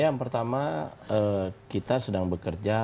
yang pertama kita sedang bekerja